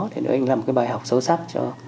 để anh làm cái bài học sâu sắc cho